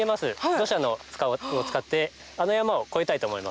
土砂を使ってあの山を越えたいと思います。